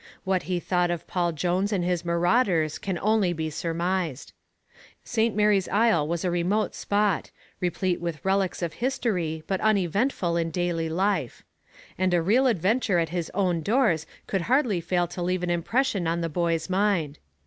What he thought of Paul Jones and his marauders can only be surmised. St Mary's Isle was a remote spot, replete with relics of history, but uneventful in daily life; and a real adventure at his own doors could hardly fail to leave an impression on the boy's mind.